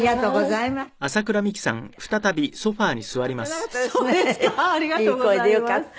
いい声でよかった。